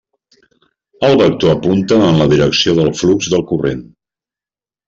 El vector apunta en la direcció del flux del corrent.